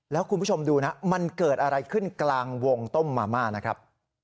แล้วคุณผู้ชมดูนะมันเกิดอะไรขึ้นกลางวงต้มมาม่านะครับ